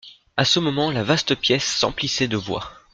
À ce moment, la vaste pièce s'emplissait de voix.